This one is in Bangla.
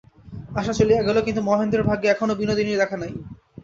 আশা চলিয়া গেল, কিন্তু মহেন্দ্রের ভাগ্যে এখনো বিনোদিনীর দেখা নাই।